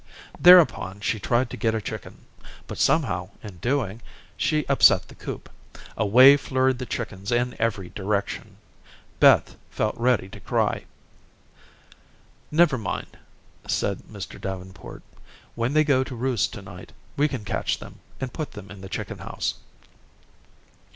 Thereupon she tried to get a chicken, but somehow, in so doing, she upset the coop. Away flurried the chickens in every direction. Beth felt ready to cry. "Never mind," said Mr. Davenport; "when they go to roost to night, we can catch them, and put them in the chicken house."